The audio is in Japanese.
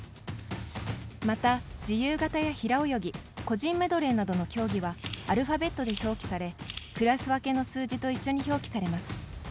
また、自由形や平泳ぎ個人メドレーなどの競技はアルファベットで表記されクラス分けの数字と一緒に表記されます。